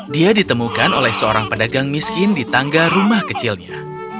dia ditemukan oleh seorang pedagang miskin di tangga rumah kecilnya